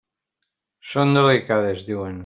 Són delicades, diuen.